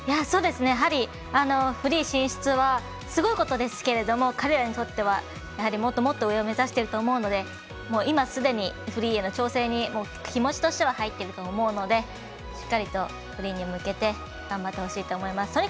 やはりフリー進出はすごいことですけれども彼らにとってはやはり、もっともっと上を目指していると思うので今すでにフリーへの調整に気持ちとしては入っていると思うのでしっかりと、フリーに向けて頑張ってほしいと思います。